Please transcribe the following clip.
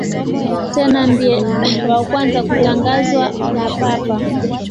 Tena ndiye wa kwanza kutangazwa na Papa.